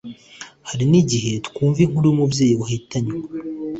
hari n igihe twumva inkuru y umubyeyi wahitanywe